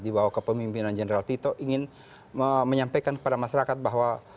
di bawah kepemimpinan jenderal tito ingin menyampaikan kepada masyarakat bahwa